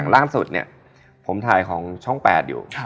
และลองออกไป